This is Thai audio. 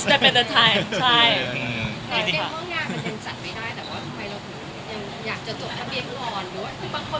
หรือบางคนจะรอให้ความลังขึ้นขึ้นไป